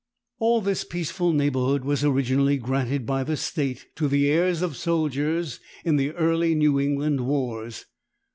All this peaceful neighborhood was originally granted by the State to the heirs of soldiers in the early New England wars.